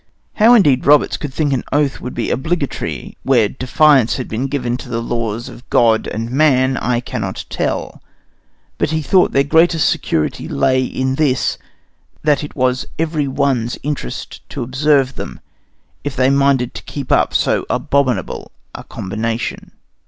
How, indeed, Roberts could think that an oath would be obligatory where defiance had been given to the laws of God and man, I cannot tell, but he thought their greatest security lay in this "that it was every one's interest to observe them, if they minded to keep up so abominable a combination."